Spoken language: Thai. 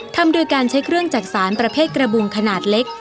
ทำโดยการใช้เครื่องจักษานประเภทกระบุงขนาดเล็ก